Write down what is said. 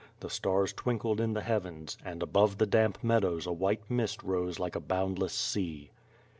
The stars twinkled in the heavens; and above the damp meadows a white mist rose like a bound less sea.